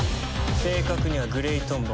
正確にはグレイトンボ。